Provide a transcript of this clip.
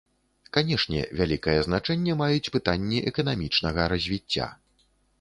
Канешне, вялікае значэнне маюць пытанні эканамічнага развіцця.